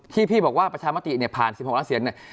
ที่พี่บอกว่าประชามติเนี่ยผ่าน๑๖ล้านเสียงเนี่ย